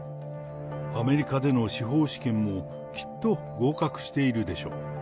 アメリカでの司法試験もきっと合格しているでしょう。